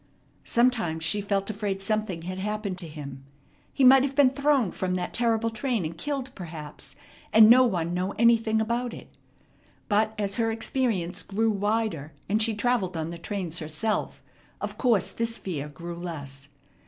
Sometimes she felt afraid something had happened to him. He might have been thrown from that terrible train and killed, perhaps; and no one know anything about it. But as her experience grew wider, and she travelled on the trains herself, of course this fear grew less.